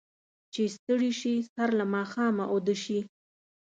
چې ستړي شي، سر له ماښامه اوده شي.